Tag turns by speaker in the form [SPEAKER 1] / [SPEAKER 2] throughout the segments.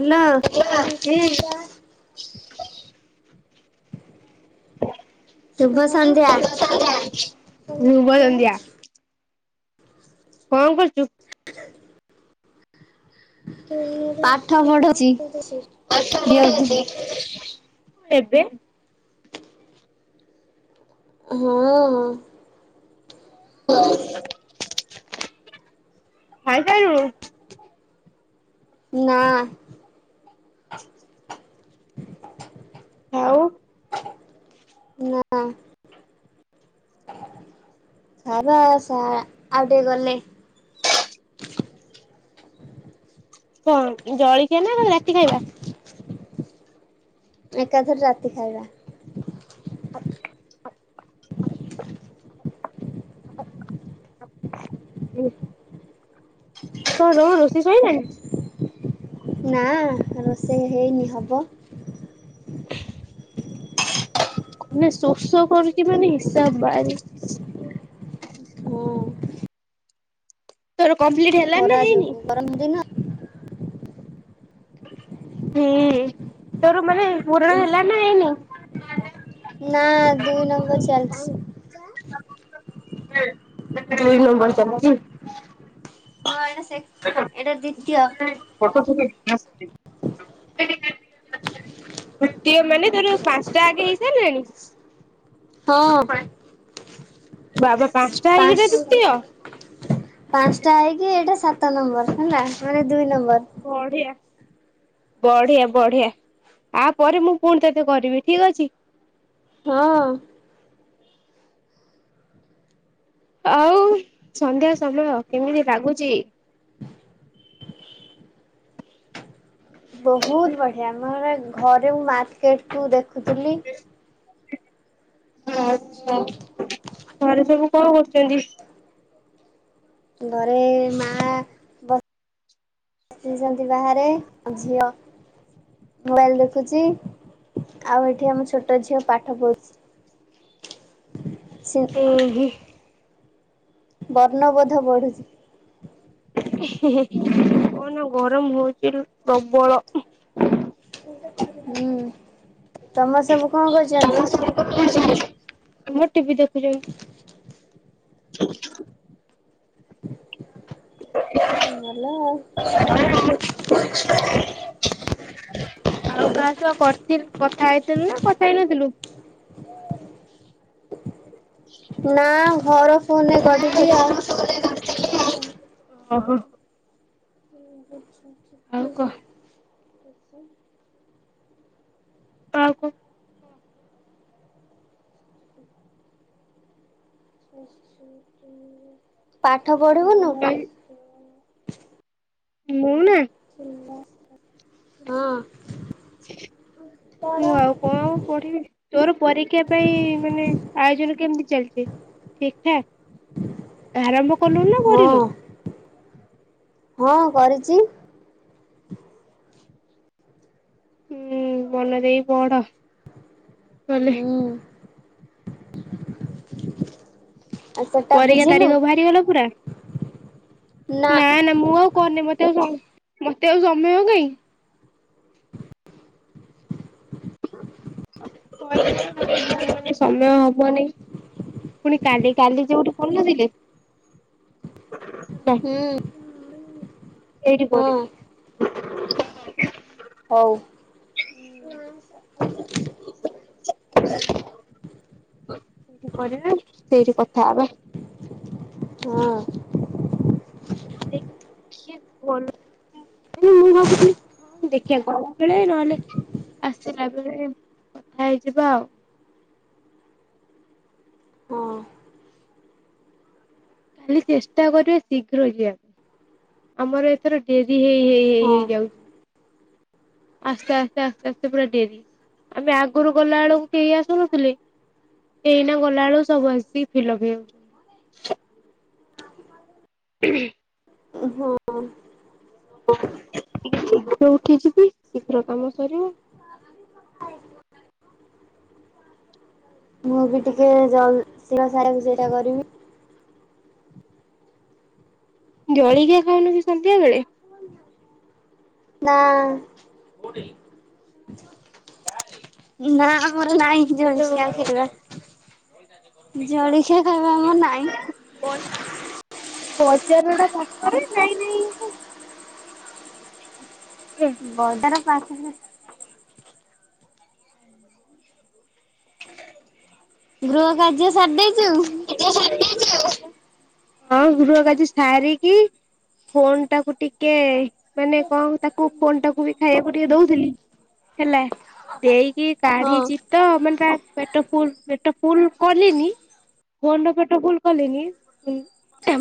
[SPEAKER 1] ହେଲ ଶୁଭ ସନ୍ଧ୍ୟା
[SPEAKER 2] ରୁବ ସନ୍ଧ୍ୟା କଣ କରୁଛୁ?
[SPEAKER 1] ପାଠ ପଢୁଛି। ଝିଅକୁ
[SPEAKER 2] ଠଛି ଏବେ।
[SPEAKER 1] ହଁ
[SPEAKER 2] ଭାଇ ତ ଖାଇ ସାରିଲୁଣି।
[SPEAKER 1] ନା
[SPEAKER 2] ହଉ
[SPEAKER 1] ନା ସାରା ସ ବା ଆଉ ଟିକେ ଗଲେ।
[SPEAKER 2] କଣ ଜଳିକିଆ ନା ରାତି ଖାଇବା?
[SPEAKER 1] ଏକାଥରେ ରାତି ଖାଇବା।
[SPEAKER 2] ଇ ଚ ର ରୋଷେଇ ସଇଲାଣି?
[SPEAKER 1] ନାଁ ରୋଷେଇ ହେଇନି ହବ।
[SPEAKER 2] ମାନେ ଶୋଷ କରୁଚି ମାନେ ହିସାବ ବାଆରେ।
[SPEAKER 1] ଓ।
[SPEAKER 2] ତୋର କମ୍ପ୍ଲିଟି ଆ
[SPEAKER 1] ଖରା ଯୋଗୁ ଗରମ ଦିନ
[SPEAKER 2] ହୁଁ ତୋର ମାନେ ପୁରଣ ହେଲାଣି ନା ହେଇନି?
[SPEAKER 1] ନାଁ ଦୁଇ ନମ୍ବର ଚାଲଚି।
[SPEAKER 2] ଉଁ ଦୁଇ ନମ୍ବର ଚାଲଚି।
[SPEAKER 1] ହଁ ଏଟା ସେ ଏଟା ଦ୍ଵିତୀୟ।
[SPEAKER 2] ଫଟ ତମେ [unintelligible] ଗୋଟିଏ ମାନେ ତୋର ପାଂଶଟା ଆଗେ ହେଇସାଇଲାଣି?
[SPEAKER 1] ହଁ
[SPEAKER 2] ବାବା ପାଂଶଟା ହେଇକିରି ଦ୍ଵିତୀୟ।
[SPEAKER 1] ପାଂଶଟା ହେଇକି ଏଇଟା ସାତ ନମ୍ବର୍ ହେଲା ମାନେ ଦୁଇ ନମ୍ବର।
[SPEAKER 2] ବଢ଼ିଆ। ବଢ଼ିଆ ବଢ଼ିଆ ଆ ପରେ ମୁଁ ପୁଣି ତତେ କରିବି ଠିକ୍ ଅଛି।
[SPEAKER 1] ହଁ।
[SPEAKER 2] ଆଉ ସନ୍ଧ୍ୟା ସମୟ କେମିତି ଲାଗୁଚି?
[SPEAKER 1] ବହୁତ ବଢ଼ିଆ ମୋର ଘରେ ମୁ ମାର୍କେଟକୁ ଦେଖୁଥୁଲି।
[SPEAKER 2] ଁ ଆ ଘରେ ସବୁ କଁ କରୁଚନ୍ତି?
[SPEAKER 1] ଘରେ ମା ବ ଇଚନ୍ତି ବାହାରେ ଅଁ ଝିଅ ମୋଆଲ୍ ଦେଖୁଚି ଆଉ ଏଠି ଆମ ଛୋଟ ଝିଅ ପାଠ ପ ସେ
[SPEAKER 2] ଏଇ ହି
[SPEAKER 1] ବର୍ଣ୍ଣବୋଧ ବଢ଼ୁଚି।
[SPEAKER 2] କଣ ନାଁ ଗରମ ହୋଉଚି ରୁ ପ୍ରବଳ।
[SPEAKER 1] ହୁଁ ତମ ସବୁ କଚ କରଚନ୍ତି?
[SPEAKER 2] ମୋ ଟି ଭି ଦେଖୁଚନ୍ତି। [inaudible]
[SPEAKER 1] ଭଲ ଆଉ ହଁ।
[SPEAKER 2] [unintelligible] ଆଉ କାହା ସହ କରଥିଲ୍ କଥା ହେଇଥିଲୁ ନା କଥା ହେଇନଥିଲୁ?
[SPEAKER 1] ନାଁ ଘର ଫୋନ୍ ରେ କଢିଲି ଆଉ
[SPEAKER 2] ଅହ।
[SPEAKER 1] ଆଚ୍ଛା ଆଚ୍ଛା।
[SPEAKER 2] ଆଉ କ କାଆକୁ
[SPEAKER 1] ପାଠ ପଢ଼ିବୁନୁ?
[SPEAKER 2] ଇ ମୁଁ ନାଁ?
[SPEAKER 1] ଫୁଲ କରଚି ହଁ।
[SPEAKER 2] ମୁଁ ଆଉ କଣ ପଢିବି ତୋର ପରୀକ୍ଷା ପାଇଁ ମାନେ ଆୟୋଜନ କେମିତି ଚାଲିଛି? ଠିକଠାକ ଆରମ୍ଭ କଲୁଣି ନା
[SPEAKER 1] ହଁ
[SPEAKER 2] କରିନୁ
[SPEAKER 1] ହଁ କରିଛି
[SPEAKER 2] ହୁଁ ମନ ଦେଇ ପଢ଼
[SPEAKER 1] ହୁଁ ଆଉ ସେଟା
[SPEAKER 2] ପରକ୍ଷା
[SPEAKER 1] ବୁଝିଲୁ
[SPEAKER 2] ତାରିଖ ବାହାରି ଗଲା ପୁରା ନା ନା ମୁଁ ଆଉ କହନି ମତେ ଆଉ ମତେ ଆଉ ସମୟ କାଇଁ? ସମୟ ହବନି ପୁଣି କାଲି କାଲି ଯୋଉଠି ପଢିନଥିଲେ
[SPEAKER 1] ହୁଁ
[SPEAKER 2] ଏଇଠି
[SPEAKER 1] ହଁ
[SPEAKER 2] କରିବୁ
[SPEAKER 1] ହଉ
[SPEAKER 2] ହୁଁ ି କରିବା ସେଇଠି କଥା ହେବା
[SPEAKER 1] ହଁ
[SPEAKER 2] ଦେ ଖି ପଲ ମୁଁ ଭାବୁଥିଲି କ ଦେଖିବା ଗଲା ବେଳେ ନହେଲେ ଆସିଲା ବେଳେ ଥା ହେଇଯିବା ଆଉ
[SPEAKER 1] ହଁ
[SPEAKER 2] କାଲି ଚେଷ୍ଟା କରିବା ଶୀଘ୍ର ଯିବାକୁ ଆମର ଏଥର ଡେରି ହେଇ ହେଇ ହେଇ
[SPEAKER 1] ହଁ
[SPEAKER 2] ହେଇଯାଉଛି ଆସ୍ତେ ଆସ୍ତେ ଆସ୍ତେ ଆସ୍ତେ ପୁରା ଡେରି ଆମେ ଆଗରୁ ଗଲା ବେଳକୁ କେହି ଆସୁନଥିଲେ ଏଇନା ଗଲା ବେଳୁ ସବୁ ଆସିିକି ଫିଲପ୍ ହେଇଯାଉଛନ୍ତି [unintelligible]
[SPEAKER 1] ହଁ
[SPEAKER 2] ଶୀଘ୍ର ଉଠି ଯିବି ଶୀଘ୍ର କାମ ସରିବ
[SPEAKER 1] ଆ ମୁଁ ବି ଟିକେ ଜଲ ଶି [unintelligible] ସେଇଟା କରିବି
[SPEAKER 2] ଜଳିଖିଆ ଖାଉନ କି ସନ୍ଧ୍ୟା ବେଳେ?
[SPEAKER 1] ନା ନା ମୋର ନାଇଁ ଜଳଖିଆ ଖାଇବା ଜଳଖିଆ ଖାଇବା ଆମର ନାଇଁ
[SPEAKER 2] ବ ବଜାର ଟା ପାଖରେ ନାଇ ନାଇ କରୁଛୁ
[SPEAKER 1] ବଜାର ପାଖରେ ଗୃହ କାର୍ଯ୍ୟ ସାରିଦେଇଛୁ?
[SPEAKER 2] ହଁ ଗୃହକାର୍ଯ୍ୟ ସରିକି ଫୋନ୍ ଟାକୁ ଟିକେ ମାନେ କଣ ତାକୁ ଫୋନ୍ ଟାକୁ ବି ଖାଇବାକୁ ଟିକେ ଦଉଥିଲି। ହେଲା ଦେଇ କି
[SPEAKER 1] ହଁ
[SPEAKER 2] କାଢିଛି ତ ମାନେ ପେଟ ଫୁଲ ପେଟ ଫୁଲ କଲିନି ଫୋନ ର ଲେଟ ଫୁଲ କଲିନି ହୁଁ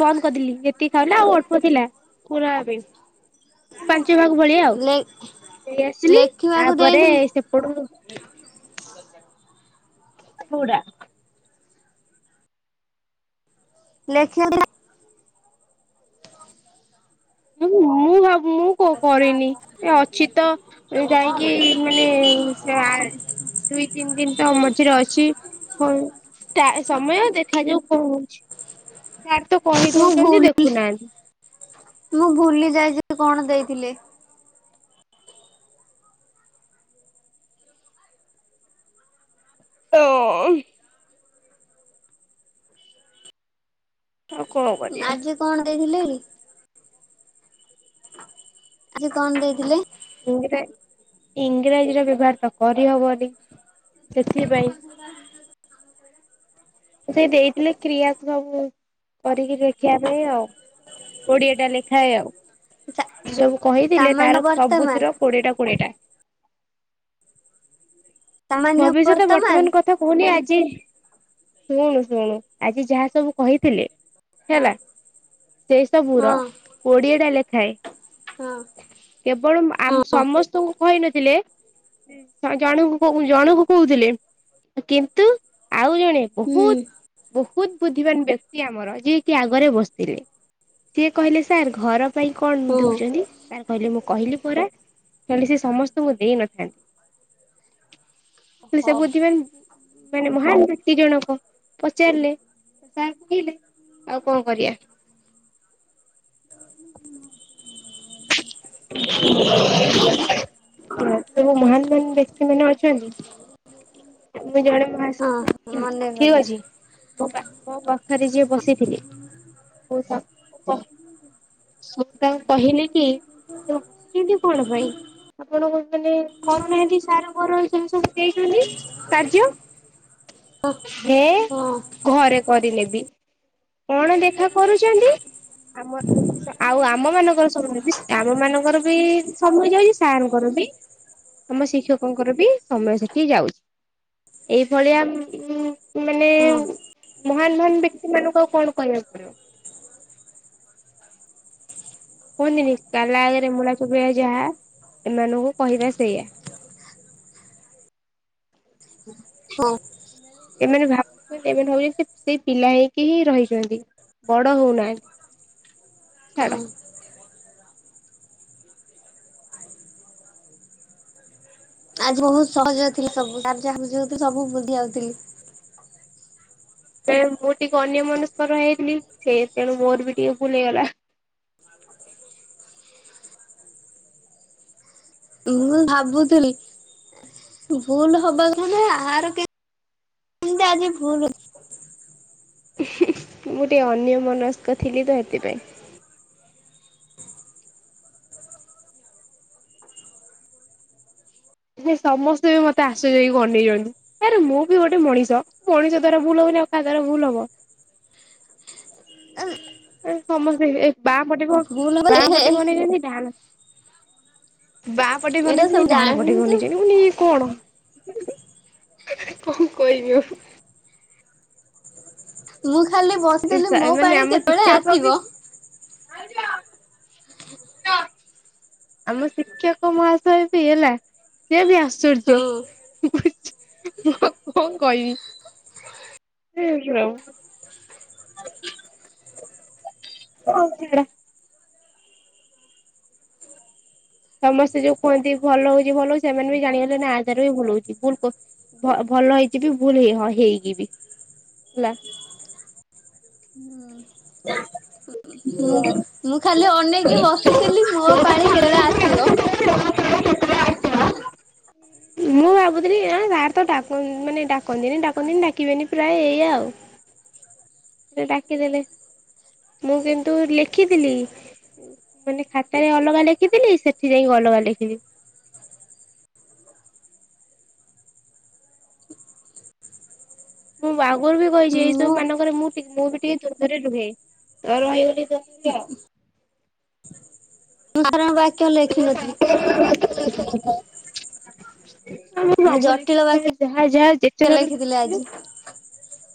[SPEAKER 2] ବନ୍ଦ କରିଦେଲି ଏତିକି ଖାଇଲା ଆଉ ଅଳ୍ପ ଥିଲା ପୂରା ଅବେ ପାଞ୍ଚ ଭାଗ ଭଳିଆ ଆଉ
[SPEAKER 1] ଲେ
[SPEAKER 2] ନେଇ ଆସିଲି
[SPEAKER 1] ଲେଖିବାକୁ
[SPEAKER 2] ତାପରେ
[SPEAKER 1] ଦେଇଥିଲି
[SPEAKER 2] ସେପଟୁ ପୂରା
[SPEAKER 1] ଲେଖିବା
[SPEAKER 2] ହ ମୁଁ ଭାବୁ ମୁଁ କଉ କରିନି ଅଛି ତ ଯାଇକି ମାନେ ସେ ଆ ଦୁଇ ତିନି ଦିନ ତ ମଝିରେ ଅଛି ଟା ସମୟ ଦେଖାଯାଉ କଣ ହଉଚି। ସାର ତ କହି
[SPEAKER 1] ମୁଁ
[SPEAKER 2] ଦଉଚନ୍ତି
[SPEAKER 1] ଭୁଲ
[SPEAKER 2] ଦେଖୁନାହାନ୍ତି।
[SPEAKER 1] ମୁଁ ଭୁଲି ଯାଇଚି କଣ ଦେଇଥିଲେ।
[SPEAKER 2] [unintelligible] ଆଉ କଣ କରିବା
[SPEAKER 1] ଆଜି କଣ ଦେଇଥିଲେ କି? ଆଜି କଣ ଦେଇଥିଲେ?
[SPEAKER 2] ଇଂରାଜ ଇଂରାଜୀର ବ୍ୟବହାର ତ କରିହବନି। ସେଥିପାଇଁ
[SPEAKER 1] [unintelligible]
[SPEAKER 2] ସେଇ ଦେଇଥିଲେ କ୍ରିୟାକୁ କରିକି ଦେଖିବା ପାଇଁ ଆଉ। କୋଡିଏ ଟା ଲେଖାଏ ଆଉ ସବୁ କହିଥିଲେ
[SPEAKER 1] ସାମାନ୍ୟ
[SPEAKER 2] ତାର
[SPEAKER 1] ବର୍ତ୍ତମାନ
[SPEAKER 2] ସବୁଥିର କୋଡିଏଟା କୋଡିଏଟା। ଭବିଷ୍ୟତ ବର୍ତ୍ତମାନ କଥା ପୁଣି ଆଜି ଶୁଣୁ ଶୁଣୁ ଆଜି ଯାହା ସବୁ କହିଥିଲେ
[SPEAKER 1] ହଁ
[SPEAKER 2] ହେଲା ସେଇ
[SPEAKER 1] ହଁ
[SPEAKER 2] ସବୁର କୋଡିଏ ଟା ଲେଖାଏ
[SPEAKER 1] ହଁ
[SPEAKER 2] କେବଳ
[SPEAKER 1] ହଁ
[SPEAKER 2] ଆମ ସମସ୍ତଙ୍କୁ କହିନଥିଲେ ଜଣଙ୍କୁ ଜଣକୁ କହୁଥିଲେ କିନ୍ତୁ ଆଉ ଜଣେ
[SPEAKER 1] ହୁଁ
[SPEAKER 2] ବହୁତ ବହୁତ ବୁଦ୍ଧିମାନାନ ବ୍ୟକ୍ତି ଆମର ଯିଏ କିି ଆଗରେ ବସିଥିଲେ ସିଏ କହିଲେ ସାର୍ ଘର ପାଇଁ କଣ
[SPEAKER 1] ହଁ
[SPEAKER 2] ଦଉଚନ୍ତି ସାର କହିଲେ ମୁଁ କହିଲି ପରା। କହିଲେ ସେ ସମସ୍ତଙ୍କୁ ଦେଇନଥାନ୍ତି। ସେ
[SPEAKER 1] ହଉ
[SPEAKER 2] ବୁଦ୍ଧିମାନ ମାନେ ମହାନ ବ୍ୟକ୍ତି ଜଣକ ପଚାରିଲେ ସାର୍ କହିଲେ ଆଉ କଣ କରିବା। [unintelligible] ତ ତେଣୁ ମହାନ ମହାନ ବ୍ୟକ୍ତି ମାନେ ଅଛନ୍ତି ମୁଁ [unintelligible] ଠିକ
[SPEAKER 1] ହଁ ମନେ ପଡିଲା
[SPEAKER 2] ଅଛି? [unintelligible] ମୁଁ ତାଙ୍କୁ କହିଲି କି ଆପଣ ବସିଛନ୍ତି କଣ ପାଇଁ ଆପଣ ମାନେ କରୁନାହାନ୍ତି ସାର ଘର ସେ ସବୁ ଦେଇଚନ୍ତି କାର୍ଯ୍ୟ
[SPEAKER 1] ଅ
[SPEAKER 2] ହେ
[SPEAKER 1] ହଁ।
[SPEAKER 2] ଘରେ କରିନେବି। କଣ ଦେଖା କରୁଚନ୍ତି ଆମ ଆଉ ଆମ ମାନଙ୍କର ସମୟ ବି ଆମ ମାନଙ୍କର ବି ସମୟ ଯାଉଚି ସାରଙ୍କର ବି ଆମ ଶିକ୍ଷକଙ୍କର ବି ସମୟ ସେଠି ଯାଉଚି। ଏଇ ଭଳିଆ ଉମ ମାନେ
[SPEAKER 1] ହଁ
[SPEAKER 2] ମହାନ ମହାନ ବ୍ୟକ୍ତି ମାନଙ୍କୁ ଆଉ କଣ କହିବାକୁ ପଡିବ। କୁହନ୍ତିନି କାଲା ଆଗରେ ମୂଳା ଚବେବୋ ଯାହା ଏମାନଙ୍କୁ କହିବା ସେଇଆ।
[SPEAKER 1] ହଁ
[SPEAKER 2] ଏମାନେ ଭାବୁଚନ୍ତି ଏମାନେ ଭାବୁଚନ୍ତି ସେ ସେଇ ପିଲା ହେଇକି ହିଁ ରହିଚନ୍ତି। ବଡ ହଉନାହାନ୍ତି
[SPEAKER 1] ହଁ
[SPEAKER 2] ଛାଡ
[SPEAKER 1] ଆଜି ବହୁତ ସହଜ ଥିଲା ସବୁ ତ ଯାହାଝଉି ସବୁ ବୁଝି ଯାଉଥିଲି।
[SPEAKER 2] ମୁଁ ଟିକେ ଅନ୍ୟ ମନସ୍କର ହେଇଥିଲି ସେ ତେଣୁ ମୋର ବି ଟିକେ ଭୁଲି ହେଇଗଲା।
[SPEAKER 1] ମୁଁ ଭାବୁଥିଲି ଭୁଲ ହବା କ ଯେ ଆହାର କେ କେମତି ଆଜି ଭୁଲ
[SPEAKER 2] ମୁଁ ଟିକେ ଅନ୍ୟ ମନସ୍କ ଥିଲି ତ ସେଥିପାଇଁ। ନ ସମସ୍ତେ ବି ମତେ ଆଶ୍ଚର୍ଯ୍ୟ ହେଇକି ଅନେଇଚନ୍ତି। ଆରେ ମୁଁ ବି ଗୋଟେ ମଣିଷ ମଣିଷ ଦ୍ାରା ଭୁଲ ହବନି ଆଉ କାହା ଦ୍ୱାରା ଭୁଲ ହବ।
[SPEAKER 1] ଆଁ
[SPEAKER 2] ଏ ସମସ୍ତିଙ୍କି ଏ ବାଁ ପଟିବ
[SPEAKER 1] ହବ
[SPEAKER 2] ବାଁ
[SPEAKER 1] ଯେ
[SPEAKER 2] ପଟିବ ନେଇତି ଡାହାଣ ବାଁ ପଟେ ବି
[SPEAKER 1] ଏଇଟା
[SPEAKER 2] ବନେଇଚନ୍ତି
[SPEAKER 1] ସବୁ
[SPEAKER 2] ଡହାଣ ପଟେ ବି
[SPEAKER 1] ଜାଣିଛୁ
[SPEAKER 2] ବନେଇଚନ୍ତି ମୁଁ କହିଲି ୟେ କଣ। କଣ କହିବି ଆଉ।
[SPEAKER 1] ମୁଁ ଖାଲି ବସିଥିଲି
[SPEAKER 2] ଇସା
[SPEAKER 1] ମୋ
[SPEAKER 2] ମାନେ
[SPEAKER 1] ପାଳି
[SPEAKER 2] ଆମ
[SPEAKER 1] କେତେବେଳେ
[SPEAKER 2] ଶିକ୍ଷକ ବି
[SPEAKER 1] ଆସିବ
[SPEAKER 2] ଆମ ଶିକ୍ଷକ ମହାଶୟ ବି ହେଲା ସେ ବି ଆଶ୍ଚର୍ଯ୍ୟ।
[SPEAKER 1] ହଁ
[SPEAKER 2] ବୁଝି ମୁଁ ଆଉ କଣ କହିବି। ହେ ପ୍ରଭ ହଉ ସେଟା ସମସ୍ତେ ଯୋଉ କୁହନ୍ତି ଭଲ ହଉଚି ଭଲ ହଉଚି ସେମାନେ ବି ଜାଣିଗଲେ ନା ତାର ବି ଭଲ ହଉଚି ଭୁଲ କୁ ଭ ଭଲ ହେଇଚି ବି ଭୁଲହ ହେଇକିବି ହେଲା।
[SPEAKER 1] ହଁ ମୁଁ ଖାଲି ଅନେଇକି ବସିଥିଲି ମୋ ପାଳି କେତେବେଳେ ଆସିବ।
[SPEAKER 2] [unintelligible] ମୁଁ ଭାବୁଥିଲି ଆଁ ସାର ତ ଡାକ ଇଁ ମାନେ ଡାକନ୍ତିନି ଡାକନ୍ତିନି ଡାକିବେନି ପ୍ରାୟ ଏଇା ଆଉ।
[SPEAKER 1] ହ
[SPEAKER 2] ସେ ଡାକିଦେଲେ ମୁଁ କିନ୍ତୁ ଲେଖିଥିଲି ମାନେ ଖାତାରେ ଅଲଗା ଲେଖିଥିଲି ସେଠି ଯାଇକି ଅଲଗା ଲେଖିଲି। ମୁଁ ବାହାଘରୁ ବି କହିଚି ଏଇ ସବୁ
[SPEAKER 1] ମୁଁ
[SPEAKER 2] ମାନଙ୍କରେ ମୁଁ ମୁଁ ବି ଟିକେ ଦ୍ୱନ୍ଦରେ ରୁହେ। ତ ରହିଗଲି [unintelligible] ଆଉ।
[SPEAKER 1] କାରଣ ବାକ୍ୟ ଲେଖି ନଥିଲି।
[SPEAKER 2] ଆଁ ମୁଁ ସବୁ
[SPEAKER 1] ଜଟିଳ
[SPEAKER 2] ଲେଖିଚି
[SPEAKER 1] ବାକ୍ୟ
[SPEAKER 2] ଯାହା ଯାହା ଯେତେର
[SPEAKER 1] ଲେଖିଥିଲି
[SPEAKER 2] ଲେଖି
[SPEAKER 1] ଆଜି।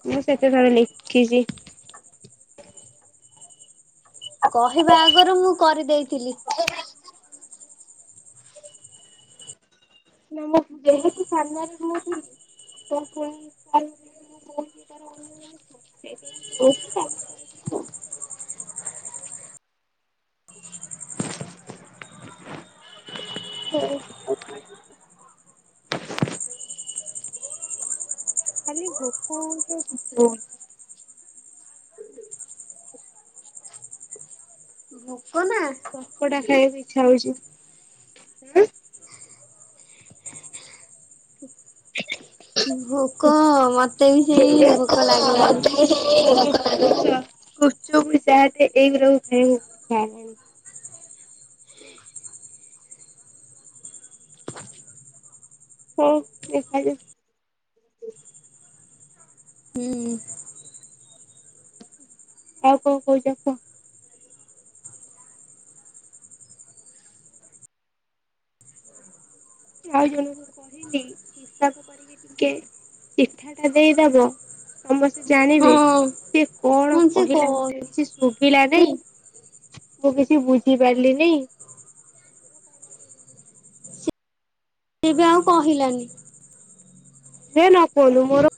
[SPEAKER 2] ମୁଁ ସେତେ ଥରେ ଲେଖିଚି।
[SPEAKER 1] କହିବା ଆଗରୁ ମୁଁ କରିଦେଇଥିଲି।
[SPEAKER 2] ନା ମୁଁ ଯେହେତୁ ସାମ୍ନାରେ ମୁଁ ଥିଲି [unintelligible] ହଁ ହୋଉ [unintelligible] ଖାଲି ଭୋକ [unintelligible]
[SPEAKER 1] ଭୋକ ନା?
[SPEAKER 2] ପକୋଡା ଖାଇବାକୁ ଇଚ୍ଛା ହଉଛି। [unintelligible]
[SPEAKER 1] ଭୋକ ମତେ ବି
[SPEAKER 2] ଗୁପଚୁପ
[SPEAKER 1] ସେଇ ଭୋକ
[SPEAKER 2] ଚାଟେ
[SPEAKER 1] ଲାଗିଲାଣି।
[SPEAKER 2] ଏଇଗୁରା କୁ ଖାଇବାକୁ [unintelligible] ହଁ ଏକାକି
[SPEAKER 1] ହୁଁ।
[SPEAKER 2] ଆଉ କଣ କହୁଚ କୁହ। ଆଉ ଜଣ କହିଲି ହିସାବ କରି ଟିକେ ଚିଠା ଟା ଦେଇଦବ ସମସ୍ତେ
[SPEAKER 1] ହଁ
[SPEAKER 2] ଜାଣିବେ ସେ କଣ
[SPEAKER 1] ମୁଁ ସେ କ
[SPEAKER 2] କହିଲା ମୁଁ କିଛି ଶୁଭିଲା ନାଇଁ ମୁଁ କିଛି ବୁଝି ପାରିଲିନି। ପାଇ ଗ
[SPEAKER 1] ସେ ବି ଆଉ କହିଲାନି।
[SPEAKER 2] ସେ ନ କୁହନ୍ତୁ ମୋର